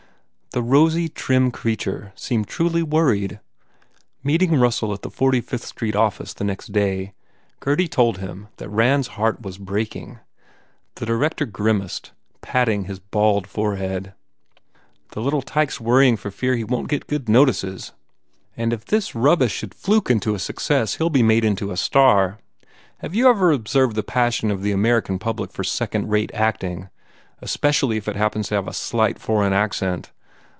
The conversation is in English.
The rosy, trim creature seemed truly worried. Meeting Russell at the 45th Street office the next day, Gurdy told him that Rand s heart was break ing. The director grimaced, patting his bald forehead. "The little tyke s worrying for fear he won t get good notices. And if this rubbish should fluke into a success he ll be made into a star. Have you ever observed the passion of the Ameri can public for second rate acting? Especially if it happens to have a slight foreign accent?